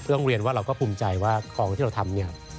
ต้องเรียนว่าเราก็ภูมิใจว่าของที่เราทำเนี่ย